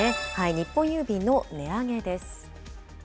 日本郵便の値上げです。